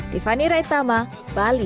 tiffany reitama bali